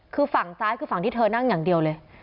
คือฝั่งซ้ายคือฝั่งที่เธอนั่งอย่างเดียวเลย